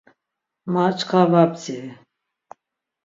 Ma çkar va bdziri.